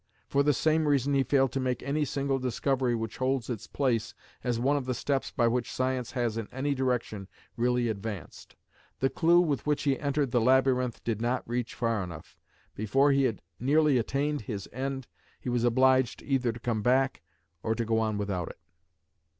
For the same reason he failed to make any single discovery which holds its place as one of the steps by which science has in any direction really advanced. The clew with which he entered the labyrinth did not reach far enough; before he had nearly attained his end he was obliged either to come back or to go on without it."